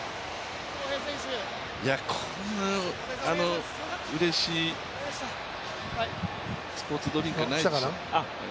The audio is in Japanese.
こんなうれしいスポーツドリンクはないですよ。